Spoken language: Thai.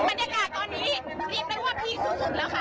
บรรยากาศตอนนี้ที่นะว่าพี่สุขเลยค่ะ